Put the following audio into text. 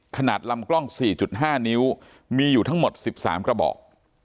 ขนาดลำกล้อง๔๕นิ้วมีอยู่ทั้งหมด๑๓กระบอก